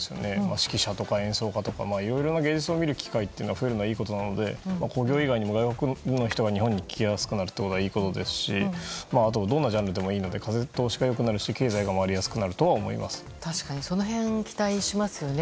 指揮者とか演奏家とかいろいろな芸術を見る機会が増えることはいいことなので興行以外にもいろいろな方が日本に来ることはいいことですしどんなジャンルでもいいので風通しが良くなってその辺期待しますよね。